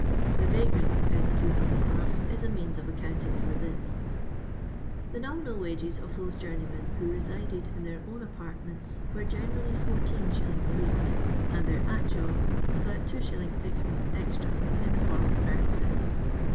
The vagrant propensities of the class is a mesuis of accounting for this. The nominal wages of those jonmeymen who resided in their own apartments were generally 14x. a week, and their actual about 2s.,6d. extra in the fonn of perquisites.